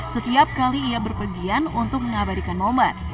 setiap kali ia berpergian untuk mengabadikan momen